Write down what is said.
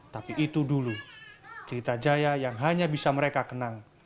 tapi itu dulu cerita jaya yang hanya bisa mereka kenang